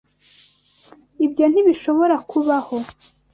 Ibyo ntibishobora kubaho.